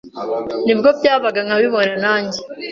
nibwo byabaga nkabibona nanjye